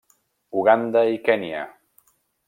Uganda i Kenya.